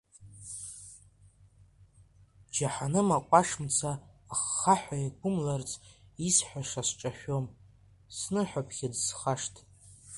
Џьаҳаным акәаш мца аххаҳәа еиқәымларц, исҳәаша сҿашәом, сныҳәаԥхьыӡ схашҭт.